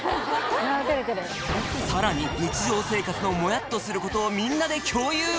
さらに日常生活のモヤッとすることをみんなで共有！